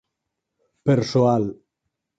Persoal